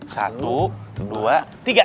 satu dua tiga